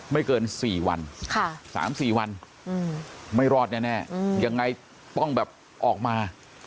ไม่เกิน๔วัน๓๔วันไม่รอดแน่ยังไงต้องแบบออกมา